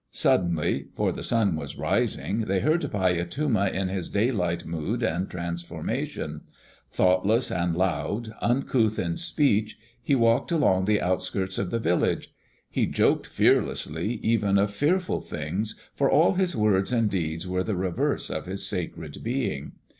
Suddenly, for the sun was rising, they heard Paiyatuma in his daylight mood and transformation. Thoughtless and loud, uncouth in speech, he walked along the outskirts of the village. He joked fearlessly even of fearful things, for all his words and deeds were the reverse of his sacred being.